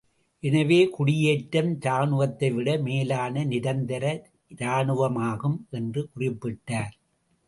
எனவே குடியேற்றம் இராணுவத்தைவிட மேலான நிரந்தர இராணுவமாகும் என்று குறிப்பிட்டார்.